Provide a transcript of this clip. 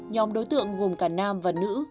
nhóm đối tượng gồm cả nam và nữ